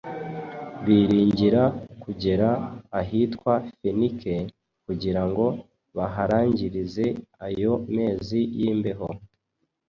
biringira kugera ahitwa Fenike, kugira ngo baharangirize ayo mezi y’imbeho.